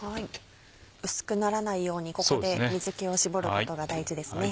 薄くならないようにここで水気を絞ることが大事ですね。